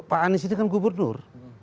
pak anies itu kan gubernur